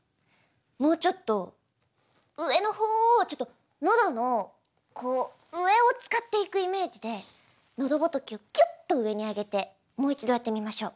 もうちょっと上のほうをちょっと喉のこう上を使っていくイメージで喉仏をきゅっと上に上げてもう一度やってみましょう。